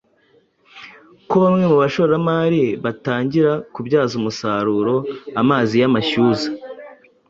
ko bamwe mu bashoramari batangira kubyaza umusaruro amazi y’amashyuza.